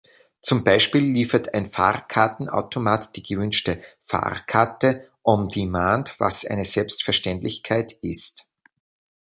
Zum Beispiel liefert ein Fahrkartenautomat die gewünschte Fahrkarte „On-Demand“, was eine Selbstverständlichkeit ist.